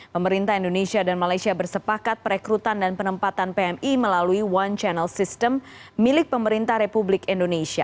pemerintah indonesia dan malaysia bersepakat perekrutan dan penempatan pmi melalui one channel system milik pemerintah republik indonesia